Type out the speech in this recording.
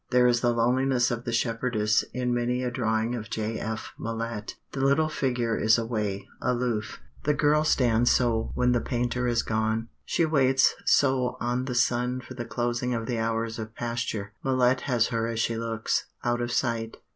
There is the loneliness of the shepherdess in many a drawing of J.F. Millet. The little figure is away, aloof. The girl stands so when the painter is gone. She waits so on the sun for the closing of the hours of pasture. Millet has her as she looks, out of sight.